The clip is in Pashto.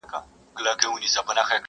در جارېږم پکښي اوسه زما دي زړه جنت جنت کړ،